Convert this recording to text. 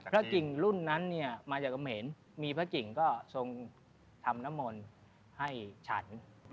พระกิงรุ่นนั้นมาจากอเมนมีพระกิงก็ทรงทำน้ำหมดให้ฉัน